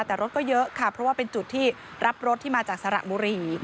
แต่รถก็เยอะค่ะเพราะว่าเป็นจุดที่รับรถที่มาจากสระบุรี